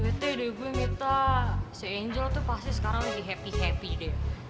bete deh gue mita si angel tuh pasti sekarang lagi happy happy deh